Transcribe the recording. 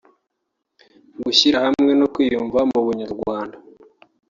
gushyira hamwe no kwiyumva mu Bunyarwanda